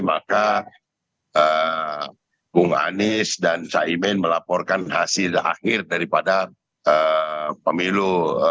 maka bung anies dan caimin melaporkan hasil akhir daripada pemilu dua ribu sembilan belas